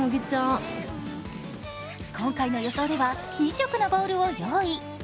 今回の予想では２色のボールを用意。